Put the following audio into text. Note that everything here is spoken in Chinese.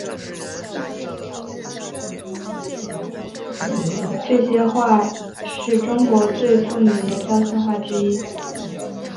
这些画是中国最著名的肖像画之一。